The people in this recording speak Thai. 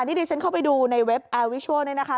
นี่ดิฉันเข้าไปดูในเว็บแอร์วิชัลเนี่ยนะคะ